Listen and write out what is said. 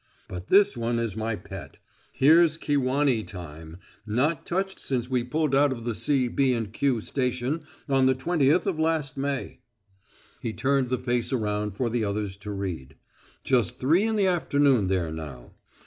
But this one is my pet. Here's Kewanee time not touched since we pulled out of the C., B. & Q. station on the twentieth of last May." He turned the face around for the others to read. "Just three in the afternoon there now.